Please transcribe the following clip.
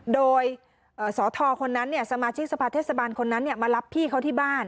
โดยสทคนนั้นสมาชิกสภาเทศบาลคนนั้นมารับพี่เขาที่บ้าน